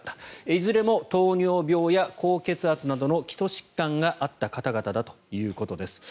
いずれも糖尿病や高血圧などの基礎疾患があった方々だということです。